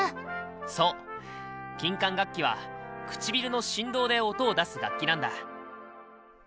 そう金管楽器は唇の振動で音を出す楽器なんだ。